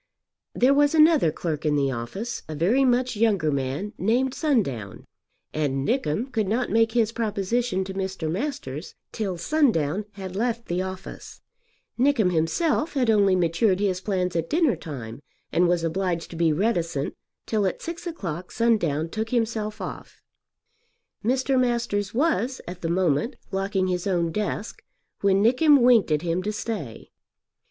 There was another clerk in the office, a very much younger man, named Sundown, and Nickem could not make his proposition to Mr. Masters till Sundown had left the office. Nickem himself had only matured his plans at dinner time and was obliged to be reticent, till at six o'clock Sundown took himself off. Mr. Masters was, at the moment, locking his own desk, when Nickem winked at him to stay.